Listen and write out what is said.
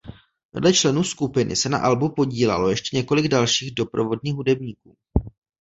Vedle členů skupiny se na albu podílelo ještě několik dalších doprovodných hudebníků.